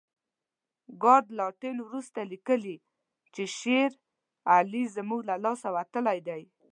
لارډ لیټن وروسته لیکي چې شېر علي زموږ له لاسه وتلی دی.